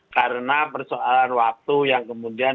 karena persoalan waktu yang kemudian